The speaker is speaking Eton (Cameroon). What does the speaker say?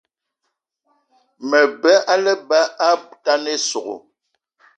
Mabe á lebá atane ísogò